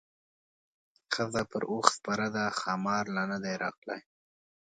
ښځه پر اوښ سپره ده ښامار لا نه دی راغلی.